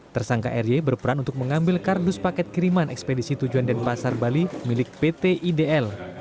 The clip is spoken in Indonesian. tersangka r y berperan untuk mengambil kardus paket kiriman ekspedisi tujuan denpasar bali milik pt idl